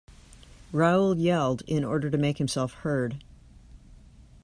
Raoul yelled, in order to make himself heard.